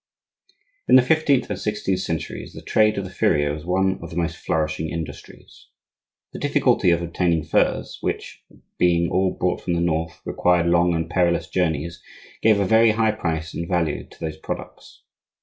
In the fifteenth and sixteenth centuries the trade of the furrier was one of the most flourishing industries. The difficulty of obtaining furs, which, being all brought from the north, required long and perilous journeys, gave a very high price and value to those products.